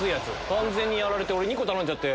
完全にやられて俺２個頼んじゃって。